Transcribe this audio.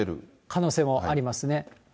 可能性もありますね。